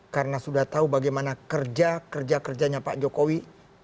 karena sudah tahu bagaimana kerja kerja kerjanya pak jokowi